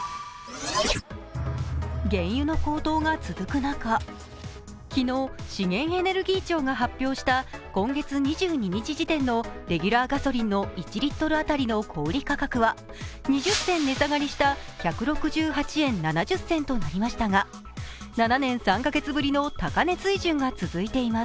原油の高騰が続く中昨日資源エネルギー庁が発表した今月２２日時点のレギュラーガソリン１リットル当たり小売価格は２０銭値下がりした１６８円７９銭となりましたが、７年３カ月ぶりの高値水準が続いています。